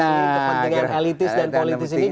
kepentingan elitis dan politis ini